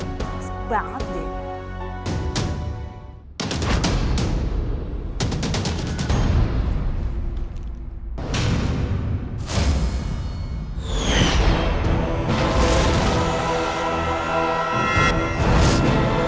masa banget deh